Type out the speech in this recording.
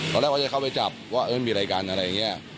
ตอนแรกว่าจะเข้าไปจับว่ามีอะไรกันอะไรอย่างนี้